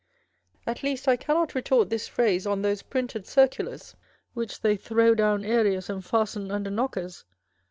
At least I cannot retort this phrase on those printed circulars which they throw down areas and fasten under knockers.